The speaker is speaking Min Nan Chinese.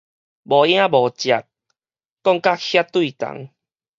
無影無跡，講甲遐對同